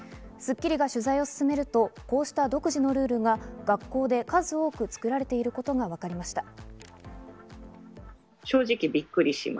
『スッキリ』が取材を進めると、こうした独自のルールが学校で数多く作られていることがわかりました。